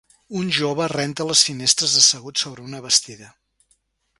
Un jove renta les finestres assegut sobre una bastida.